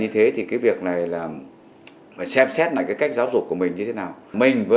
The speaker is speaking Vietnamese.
thế bây giờ con mang máy tính đi con bán đúng không